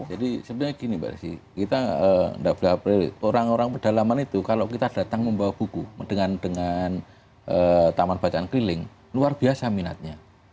jadi sebenarnya gini mbak risy kita tidak berharap orang orang pedalaman itu kalau kita datang membawa buku dengan taman bacaan keriling luar biasa minatnya